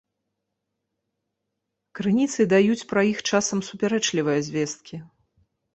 Крыніцы даюць пра іх часам супярэчлівыя звесткі.